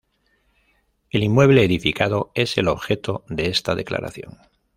El inmueble edificado es el objeto de esta Declaración.